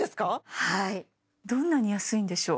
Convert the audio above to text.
はいどんなに安いんでしょう